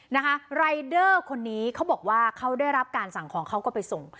นะคะรายเดอร์คนนี้เขาบอกว่าเขาได้รับการสั่งของเขาก็ไปส่ง